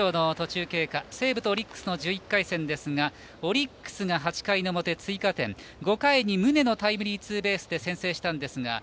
西武とオリックスの１１回戦ですがオリックスが８回の表追加点、５回に宗のタイムリーツーベースで先制しました。